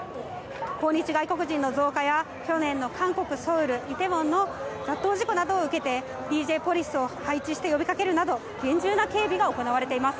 訪日外国人の増加や、去年の韓国・ソウル、イテウォンの雑踏事故などを受けて、ＤＪポリスを配置して呼びかけるなど、厳重な警備が行われています。